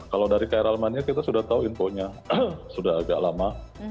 kalau dari krl mania kita sudah tahu infonya sudah agak lama